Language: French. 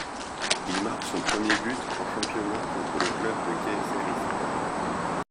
Il marque son premier but en championnat contre le club de Kayserispor.